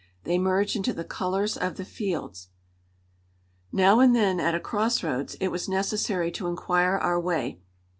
They merge into the colors of the fields." Now and then at a crossroads it was necessary to inquire our way.